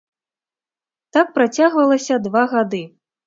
Так працягвалася два гады.